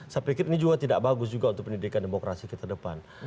saya pikir ini juga tidak bagus juga untuk pendidikan demokrasi kita ke depan